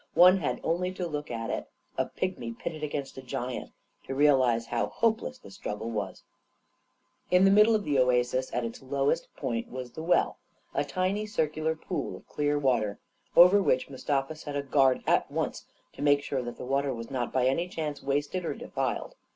One had only to look at it — a pigmy pitted against a giant — to realize how hope less the struggle was ! In the middle of the oasis, at its lowest point, was the well — a tiny circular pool of clear water — over which Mustafa set a guard at once to make sure that the water was not by any chance wasted or defiled.